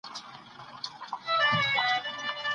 د غږونو پیژندل د املا په مرسته اسانه کیږي.